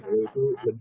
wah u bang